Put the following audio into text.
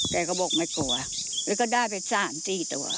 แกก็บอกไม่กลัวแล้วก็ได้ไปสร้างสี่ตัว